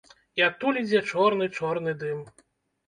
І адтуль ідзе чорны-чорны дым.